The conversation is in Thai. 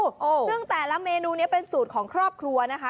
ซึ่งแต่ละเมนูนี้เป็นสูตรของครอบครัวนะคะ